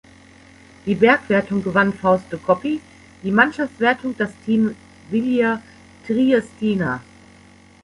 Die Bergwertung gewann Fausto Coppi, die Mannschaftswertung das Team "Wilier-Triestina".